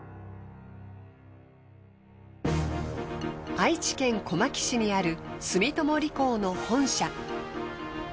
愛知県小牧市にある住友理工の本社。